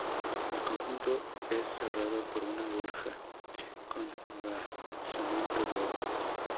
El conjunto es cerrado con una verja con basamento de obra.